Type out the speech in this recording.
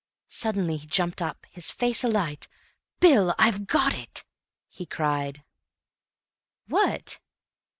Suddenly he jumped up, his face alight. "Bill, I've got it!" he cried. "What?"